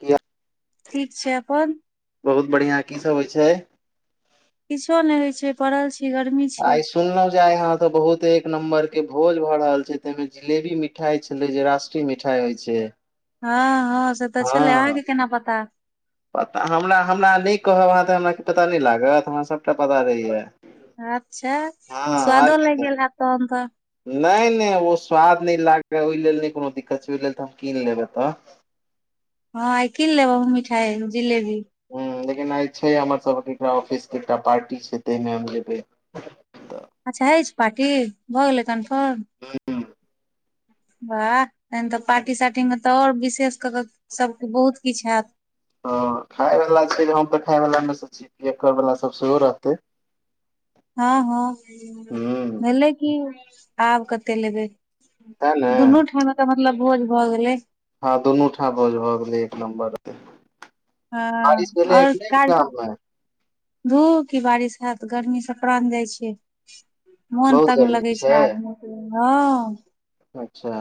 की हाल? ठीक छैय। अपन? बहुत बढ़ियां की सब होइ छैय? किछो नय होइ छैय पड़ल छी गर्मी छैय। सुनलौ जे आइ अहां एतऽ बहुत एक नम्बरके भोज भ रहल छैय तै मे जिलेबी मिठाई छलैय जे रस टीय मिठाई होइ छैय। हँ-हँ से त छलैय अहाँके केना पता। पता हमरा, हमरा नय कहब अहाँ त हमरा कि पता नय लागत हमरा सबटा पता रहैए। अच्छा स्वादो लैग गेल हैत तहन तऽ। नय-नय ओ स्वाद नय लागैय ओय लेल नय कोनो दिक्कत छैय ओय लेल त हम कीन लेब एतऽ। हँ आइ किन लेब मिठाई जिलेबी। हूं लेकिन आइ छैय हमर सबके एकटा ऑफिसके एकटा पार्टी छैय तय मे हम जेबय। अच्छा अइछ पार्टी भ गेलय कन्फर्म बाह। तखन तऽ पार्टी-सार्टी में तऽ और विशेष कऽ कऽ सबके बहुत किछ हैत। हँ खाय वला छै, हम तऽ खाय वला में सऽ छी, एक कऽर वला सब सेहो रहतै। हँ-हँ, ह भेलै की, आब कत्ते लेबै। सैह ने दुनू ठाम एकर मतलब भोज भऽ गेलै। हँ दुनू ठाम भोज भऽ गेलै एक नम्बर के। हँ बारिश भेलैए आओर कि नै काज सब गाम में? धू की बारिश हैत, गर्मी सऽ प्रान जाइ छै। मोन बहुत तंग गर्मी लगै छै आदमी के, हँ। अच्छा।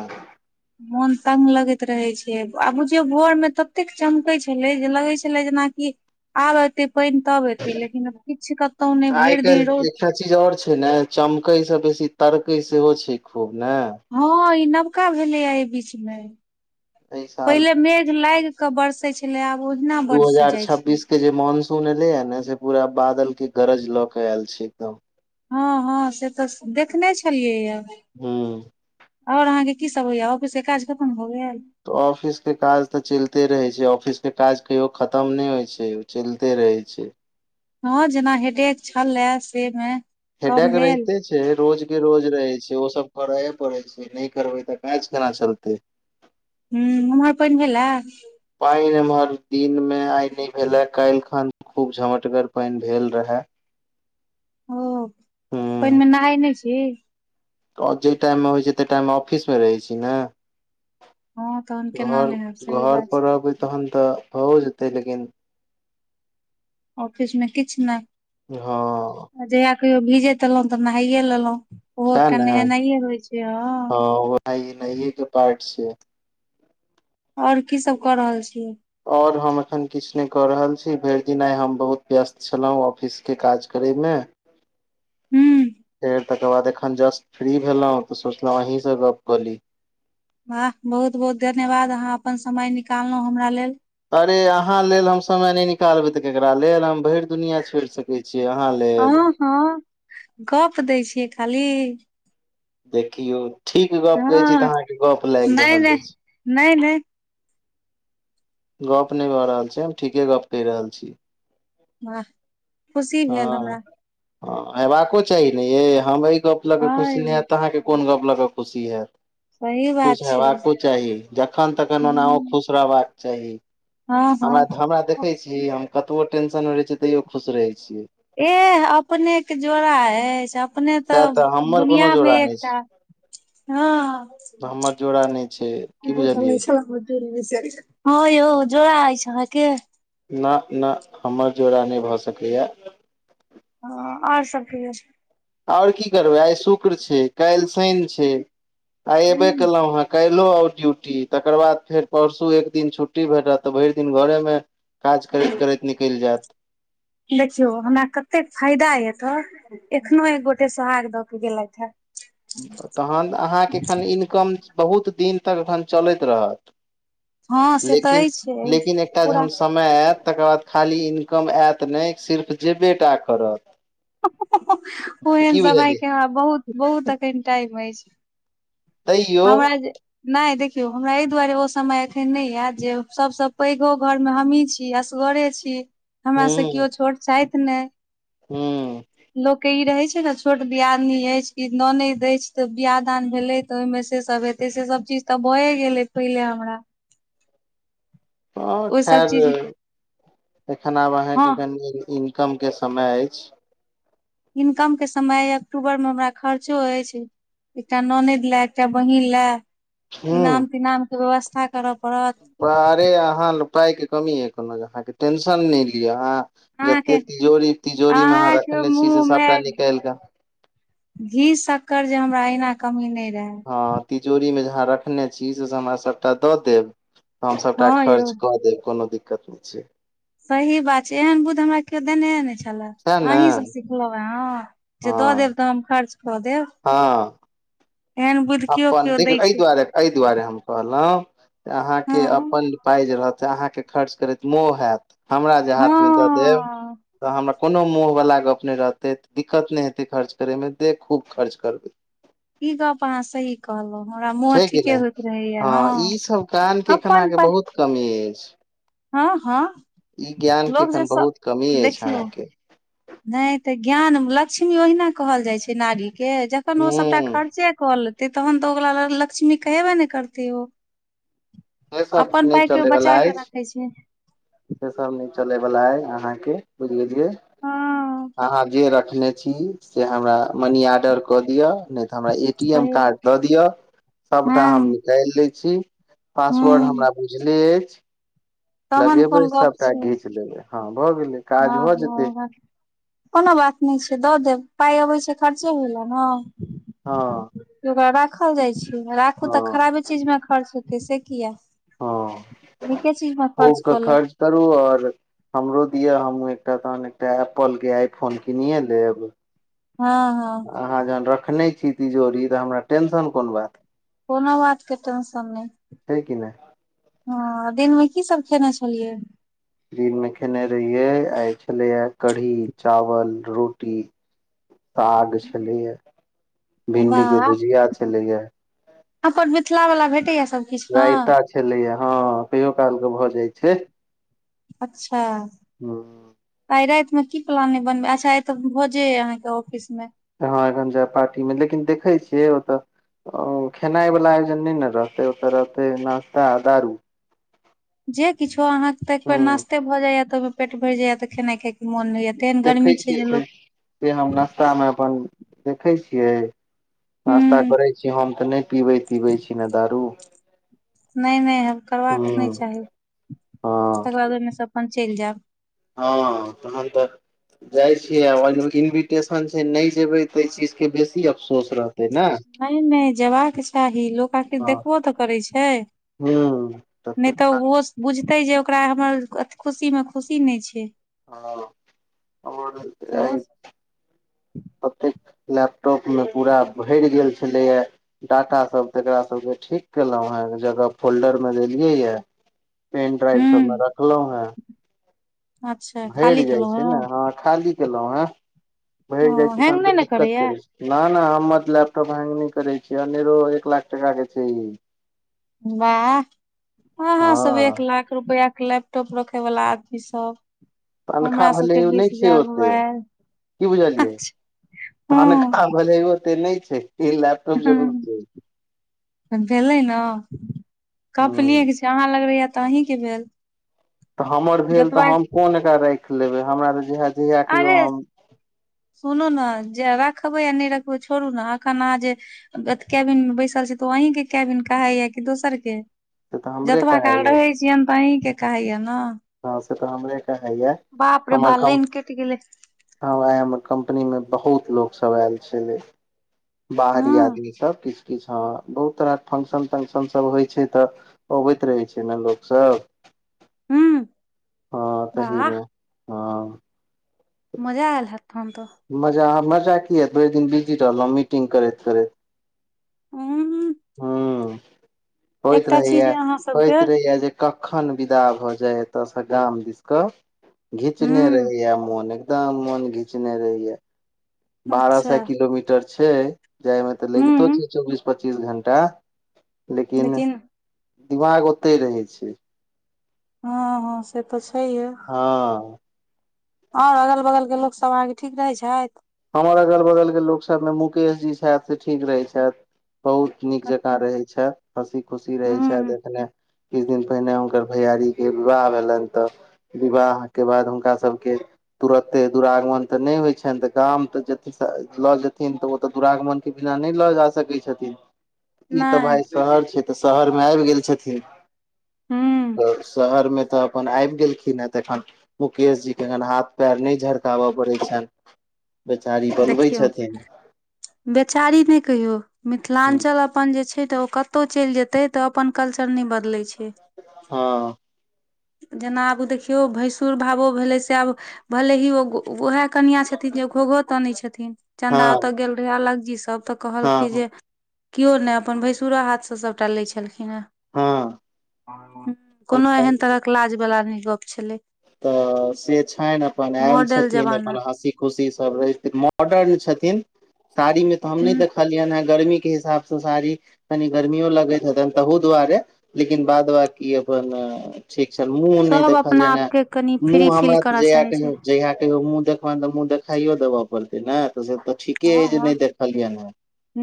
मोन तंग लगैत रहै छै, आ बुझियौ भोर में ततेक चमकै छलै जे लगै छेलै जेनाकि आब एतै पानि तब हेतै लेकिन किछ कतौ नै आइ भरि दिन काल्हि रौद एकटा चीज और छै ने चमकै से बेसी तरकै सेहो छै खूब ने। हँ ई नबका भेलैये एहि बीच मे एहि साल पहिले मेघ लागि के बरसै छलै आब ओहिना बरैस जाइ छै। इ जे मॉनसून एलैये ने से पूरा बादल के गरज लऽ के आयल छै एकदम हँ हँ से तऽ देखने छलियै ये। हँ। और अहाँके कि सब होइए ऑफिस के काज खत्तम भऽ गेल। त ऑफिस के काज त चलिते रहै छै, ऑफिस के काज कहियो खत्तम नहि होइ छै चलिते रहै छै। हँ जेना हेडेक छले से मे। कम हेडैक भेल रहिते छै। जे है रोज के रोज रहै छै ओ सब करै पड़ै छै नहि करबै तऽ काज केना चलतै। हुं उमहर पानि भेले। पानि एमहर दिन मे आइ नहि भेले काल्हि खन खूब झमटगर पानि भेल रहे। ओ, पानि मे नहाय नहि छी। जाहि टाइममे होइ छै तइ टाइम मे ऑफिस मे रहै छी ने। हँ तहन केना घर नहि हैब सही घर बात पर रहबै तखन तऽ भैयो जेतेै लेकिन ऑफिस मे किछ ने। हँ। जहिया कहियो भीजैत एलहुं तऽ नहाइये लेलहुं ओहो सएह एकटा ने नहेनाइये होय छै हं। आइ नहाइए के पार्ट छै। और की सब क रहल छी। और हम एखन किछु नहि कऽ रहल छी भरि दिन आइ हम बहुत व्यस्त छलहुँ ऑफिस के काज करय मे हुं। फेर तकर बाद एखन जस्ट फ्री भेलहुँं तऽ सोचलहुं अहीसँ गप क ली। वाह, बहुत बहुत धन्यवाद अहाँ अपन समय निकाललहुं हमरा लेल। अरे अहाँ लेल हम समय नहि निकालबै त केकरा लेल हम भरि दुनिया छोड़ि सकै छी। छियै अहाँ लेल। हँ हँ गप दै छियै खाली। देखियौ, ठीक गप कहै छी हँ तऽ अहाँके गप लागि नहि रहल नहि अछि। नहि नहि गप नहि भऽ रहल छै हम ठीके गप कहि रहल छी। वाह। खुशी भेल हँ, हमरा हेबाको चाही ने यै हम ऐ गप लऽ के हँ खुशी न यौ हैत तऽ अहाँके कोन गप लऽ के खुशी हैत, सही बात खुश छै हेबाको चाही जखन तखन ओनाहो खुश रहबाक चाही। हँ हँ हमरा हमरा देखै छी हम कतबो टेंशन मे रहै छी तैयो खुश रहै छियै। एह अपने के जोड़ा अछि अप अपने सएह तऽ हमर दुनिया कोनो मे जोड़ा नहि एकटा छै हँ, हमर जोड़ा नहि छै की बुझल बुझलियै नहि छला हम ह यौ जोड़ अछि अहाँके। ना ना हमर जोड़ा नहि भऽ सकैया। ह और सब कहियौ? और की करबै आइ शुक्र छय काल्हि शनि छय। आइ एबे हूँ केलहु हेँ काल्हो आउ ड्यूटी तकर बाद फेर परसू एक दिन छुट छुट्टी भेटत त भरि दिन घरे मे काज करैत करैत निकलि जायत। देखियौ हमरा कतेक फायदा अय एतअ एखनो एक गोटे सोहाग दऽ के गेलथि है। तहन अहाँके एखन इनकम बहुत दिन तक अखन चलैत रहत। हँ से तऽ लेकिन अछि लेकिन एकटा जे हम पूरा स समय आयत तकर बाद खाली इनकम ऐत नहि सिर्फ जेबेटा करत। ओहेन की समय बुझलियै के हँ बहुत बहुत अखन टाइम अछि। तैयो हमरा जे नैय देखियौ हमरा एहि दुआरे ओ समय एखन नैय आइत जे सबसे पैगो घरमे हमही छि। कि असगरे छी। हमरा सैय किओ हूँ छोट छैथ नैय हूँ लोक के ई रहैय छैय नै छोट दियादिनी अछि कि ननैद अछि त बियाह दान भेलैय तऽ ओहिमे से सब हेतै से सब चीज तऽ भए गेलै पहिले हमरा। हाँ ओहि सब खैर चीज एखन आब अहाँ हँ कनि जिंदगी मे कम के समय अछि। इनकम के समय अइ अक्टूबर में हमरा खर्चो अछि। एकटा ननैद लैय एकटा बहीन लैय इनाम तिनाम के व्यवस्था करअ पड़त। आरे अहाँ पाइ के कमीयै कोनो अहाँके टेंशन नैइ लिअ अहाँ जतैय अहाँके तिजोरी तिजोरी मे अहाँ अहाँके रखने छी से मुँह मे सबटा निकालि के घी शक्कर जे हमरा एहीना कमी नैइ रहैय। हँ तिजोरीमे जे अहाँ रखने छी से स हमरा सबटा दऽ देब। तऽ हम सबटा हँ यौ खर्च कऽ देब कोनो दिक्कत नैय छैय। सही बात छैय एहन बुइध हमरा केओ देनेहे नैय छला सएह ने अहीं सँ सिखलो हैं हँ जे दऽ देब तऽ हम खर्च कऽ देब। हाँ। एहन बुद्धि केओ अपन केओ दै देखीयो अइ छै दुआरे अइ दु दुआरे हम कहलों अहाँ हँ के अपन पाय जे रहत अहाँ के खर्च करैत मोह हैत। हमरा जे हँ हाथ में दऽ देब तऽ हमर कोनो मोह वला गप नैय रहतै दिक्कत नैय हेतैय खर्च करैय मे दे खूब खर्च करबैय। इ गप्प अहाँ सही कहलोअ हमरा मोह छै कि ठीकै नहि होइत रहैया हँ ई सब ज्ञान के एखन अपन अहाँके पाय बहुत कमी अछि इ ज्ञान के लोक जे एखन बहुत कमी अछि अहाँके। नैय त ज्ञान लक्ष्मी ओहिना कहल जाइ छैय नारी के जखन ओ सबटा ह खर्चे क ले तहन तऽ ओकरा लग लक्ष्मी कैहबै नैय करतिय ओ। से सब अपन नहि पाय के चले बचा वाला के अछि राखैय छैय। से सब नय चलैय बलाऐय अहाँके बुझ लेलियै हँ अहाँ जे रखने छी से हमरा मनी आर्डर कऽ दिअ नय त हमरा ए- टी- एम सही कार्ड बात द दियअ हँ सबटा हम निकाइल लय छी पासवर्ड हूँ हमरा बुझले अछि तहन लगेबैय कोन गप सबटा छै घीच लेबैय हँ भ गेलैय। हँ- हँ कोनो बात नय छैय दऽ देब पाय अबैय छैय खर्चे होय ल न। हँ। कि ओकरा राखल जाय छैय। राखू तऽ हँ खराबे चीज मे खर्च हेतैय से किया। हँ नीके चीजमे खूब खर्च के कऽ लेब। करू आओर हमरो दियअ हमू एकटा तहन एकटा एप्पलके आई फोन कीनिए लेब। हँ- हँ। अहाँ जहन रखने छी तिजोरी त हमरा टेंशन कोन बात कोनो बातके टेंशन नय। छै कि नहि हँ दिनमे की सब खेने छलियै। दिनमे खेने रहियै आय छलैये कढ़ी- चावल, रोटी साग छलैये, भिंडी के वाह भुजिया छलैये। अपन मिथिला वला भेटैया सब रायता छलैये हँ कहियो कालके भ जाइ छैय। अच्छा। हूँ। आइ राइतमे की प्लान अय बनबे अच्छा आय त भोजे अय अहाँके ऑफिसमे। हँ एखन जैब पार्टी मे लेकिन देखैय छियै ओतऽ। खेनाइ वला आयोजन नय ने रहतैय, ओतऽ रहतैय नास्ता आ दारू। जे किछो अहाँके त एक बेर हूँ नास्ते भऽ जाइए त ओयमे पेट भरि जाइए त खेनाइ खे मोन नय होइयै, तेहन देखै गर्मी छियै छैय जे से लोक से हम नस्ता मे अपन देखैय छियै हूँ नास्ता करै छी हम त नहि पिबै-तिबै छी न दारू। नय- नय हँ करबाको नहि हूँ चाही हँ तकर बाद ओहिमे से अपन चलि जैब। हँ तहन त जाय छी इन्विटेशन छैय नय जेबैय तै चीजके बेसी अफसोस रह रहतय न। नय- नय जेबाक चाही लोक आखिर हँ देखबो त करय छैय। हूँ तऽ नय त हँ ओहो बुझतैय जे ओकरा हमर अथी खुशीमे खुशी नय छैय। हँ और सेहो आइ ओतेक लैपटॉपमे पूरा भरि गेल छलैये डाटा सब तकरा सबके ठीक केलहुं हेँ एक जगह फोल्डरमे देलियैए। पेन ड्राइव सबमे हूँ रखलहुं हें। अच्छा भरि खाली जाय केलहुँ छैय ने हँ खाली केलहु हें, भरि जाय ओ छैय तहन हैंग नहि त ने दिक्कत करैया करय छैय। न-न हमर लैपटॉप हैंग नय करय छैय अनेरो एक लाख टका के छैय इ। बाह अहाँ सब हँ एक लाख रुपयाके लैपटॉप रखय वला आदमी सब। तनखा हमरा भेलै सबके ओ बीस नय छैय हजार ओते मोबाइल की बुझलियै। अच्छा तनखा हँ भलेहि ओते नै छै तीन लाख। हूॅं भेलै न कप हूँ लीये के छै। अहाँ लग रहैये तऽ अहीं के भेल। तऽ हमर भेल तऽ जतबा हम कोन एकरा राखि लेबै हमरा तऽ जेएहे अरे सुनू न जे रखबै आ नै रखबै छोड़ू न एखन अहाँ जे केबिन मे बैसल छी तऽ ओ अहीं के कैबिन कहाइ ये कि दोसर के। से तऽ हमरे जतबा काल कहाइया रहै छियनि तऽ अहींके कहाइये न। हँ से तऽ हमरे कहाइये रे हमर बा कम लाइन कटि गेलै। [inaudible] हॅं आइ हमरा आइ हमर कम्पनी मे बहुत लोक सब आयल छलै। बाहरी हँ आदमी सब किछ। किछ हँ बहुत तरहक फंक्शन - तंक्शन सब होइ छै तऽ अबैत रहै छै ने लोक सब। हूँ हँ तहि मे वाह हँ। मजा आएल हेएत तहन तऽ। मजा - मजा की एत भरि दिन बिजी रहलहुँ मीटिंग करैत- करैत। उं। हूँ होइत चीज रहैये- ये अहाँ होइत सबके रहैये जे कखन विदा भऽ जाय एतऽ से गाम दिस कऽ घीचने हूँ रहैये मोन। एकदम मोन घिचने रहैये। बारह अच्छा सए किलोमीटर छैय, जाय में तऽ लगितो हूँ छै चौबीस पच्चीस पच्चीस घंटा लेकिन दिमाग ओतै रहै छै। हँ हँ से तऽ छइहे। हँ। आओर अगल - बगल के लोकसभ अहाँके ठीक रहै छाइथ? हमर अगल - बगल के लोक सब मे मुकेश जी छथि से ठीक रहै छथि बहुत नीक जकाँ अच्छा रहै छथि हँसी खुशी रहै हूँ छथि एखने किछ दिन पहिने हुनकर भैयारी के विवाह भेलनि तऽ विवाह के बाद हुनका सबके तुरत्ते दुरागमन तऽ नै होइ छैन त गाम तऽ जेती स लऽ जेथिन त ओतऽ दुरागमन के बिना नहि लऽ जा सकै छथिन। ई तऽ नहि भाय शहर छै तऽ शहर मे आइब गेल छथिन। हूँ शहर मे तऽ अप्पन आइब गेलखिन ए तखन मुकेश जी के हाथ पैर नहि झरकाब पड़ै छैन। बेचारी, देखियौ बेचारी नै कहियौ मिथिलाञ्चल अपन जे छै तऽ ओ कतौ चैल जेतै तऽ अपन कल्चर नै बदलै छै। के। [inaudible] हँ जेना आब देखियो भैंसुर भाबो भेलै से आब भले ही ओ गो उहेए कनिया छथिन जे घोघो तन‌ई छथिन चन्दा हँ ओतऽ गेल रहै अलग जी सब तऽ कहलकै हँ जे कियो ने अपन भैंसुरो हाथ सँ सबटा लै छलखिन। हँ एंह कोनो एहन तरहक लाज बला नहि गप छलै। तऽ से छैन अपन आयल मॉडल छथिन जमाना अपन हॅंसी खुशी सब रहै छथिन मॉडर्न छथिन साड़ी मे तऽ हम नै ह देखलियैन हें। गर्मी के हिसाब स साड़ी कनी गर्मियो लगैत हेतैन तहु दुआरे। लेकिन बाद बांकी अपन ठीक छनि मुँह नै सब अपना देखलियनिए। आपके कनि फ्री मुंह फील हमरा करऽ जेया चाहै छै कहियौ जे। जहिया कहियो मुँह देखबैन तऽ, मुँह देखाइयो देबऽ पड़तै ने तऽ, से तऽ ठीके अय जे नहि देखलियन हैं।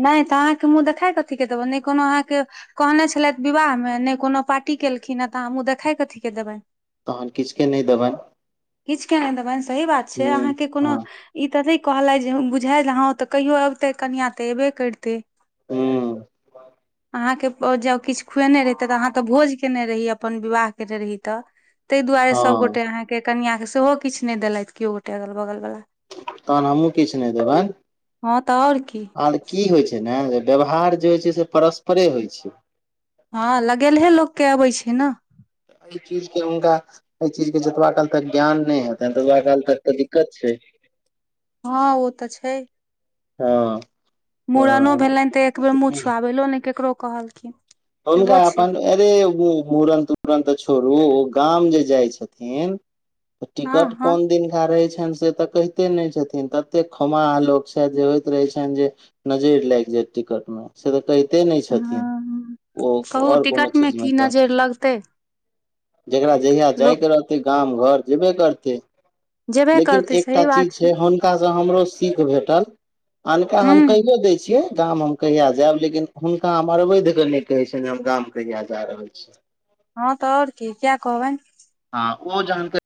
नय तऽ अहाँके मुँह देखाय कथी के देबै नई कोनो अहाँके। कहने छलैथ विवाहमे नई कोनो पार्टी केलखिन हैं तऽ, अहां मुंह देखाय कथीके देबैन। तहन किछु के नहि देबनि किछ के नहि देबैन सही बात छै अहाँके ह कोनो-। हँ ई तनै कहलथि जे बुझायल हँ तऽ कहियो अबतै कनिआँ तऽ एबे करितै। ह अहाँके- ओ जँ किछु खुएने रहहितै तऽ, अहाँ तऽ भोज केने रहीयै अपन विवाह केने रहीय तऽ। तै दुआरे हँ सबगोटे अहाँके कनिआके सेहो किछु नहि देलथि केओ गोटे अगल बगल बला। तहन हमहुँ किछ नई देबैन हँ तऽ आओर की आर की होइ छै। मैंगे व्यवहार जे होइ छै, से परस्परे होइ छै। हँ लगेलहे लोकके अबै छै न। ई चीज के हुनका। ऐ चीज के जेतबा काल तक ज्ञान नहि हेतेन तेतबा काल तक तऽ, दिक्कत छै। हँ ओ तऽ छै। हँ। मूड़नो भेलैन तऽ, एक बेेर मुँह छुआबैलो नइ ककरो कहलखिन। हुनका सेहो छै अपन अरे मूड़न, तूड़न तऽ, छोड़ू ओ गाम जे जाइ छथिन। हँ टिकट हँ कोन दिनका रहै छैन से तक। कहिते नहि छथिन तत्ते खोमाह लोक छैथ, जे होइत रहैत छैन जे। नजर लाइग जैत टिकट मे से तऽ कहिते नहि छथिन। हँ ओ कहू और कोनो टिकट चीज मे की कहत नजरि लगतै जेकरा जहिया लोक जायके रहत। गाम घर जेबे करतै जेबे लेकिन करतै एकटा सही चीज बात छै, हम। ताइ स हमरो सीख भेटल अनका हूँ हम कहिए द‌ई छियै गाम हम। कहिया जायब लेकिन हुनका हम अरवैध क नहि कहै छियैन जे हम गाम कहिया जा रहल छी। हँं तऽ, और की किया कहबैन। आ ओ जाहन के।